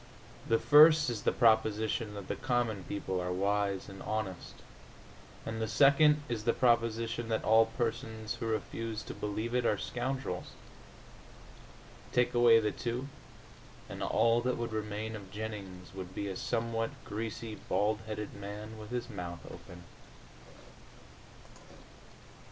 The first is the proposition that the common people are wise and honest, and the second is the proposition that all persons who refuse to believe it are scoundrels. Take away the two, and all that would remain of Jennings would be a somewhat greasy bald headed man with his mouth open.